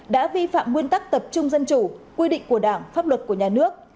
đã vi phạm nguyên tắc tập trung dân chủ quy định của đảng pháp luật của nhà nước